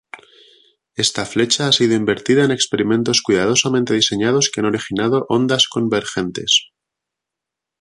Esta flecha ha sido invertida en experimentos cuidadosamente diseñados que han originado ondas convergentes.